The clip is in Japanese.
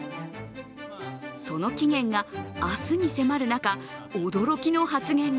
その期限が明日に迫る中驚きの発言が。